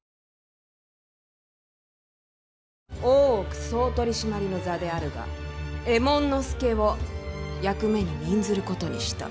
大奥総取締の座であるが右衛門佐を役目に任ずることにした。